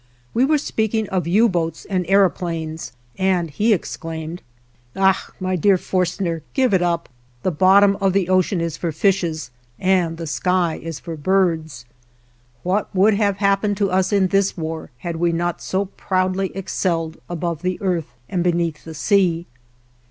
We were speaking of U boats and aëroplanes, and he exclaimed: "Ach! my dear Forstner, give it up! The bottom of the ocean is for fishes, and the sky is for birds." What would have happened to us in this war had we not so proudly excelled above the earth and beneath the sea?